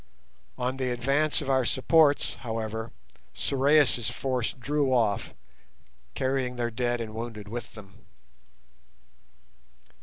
On the advance of our supports, however, Sorais' force drew off, carrying their dead and wounded with them.